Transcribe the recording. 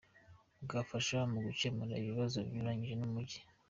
Bwafasha mu gukemura ibibazo byugarije umujyi